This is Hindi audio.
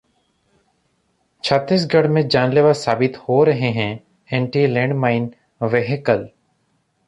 छत्तीसगढ़ में जानलेवा साबित हो रहे हैं एंटी लैंड माइन वेहिकल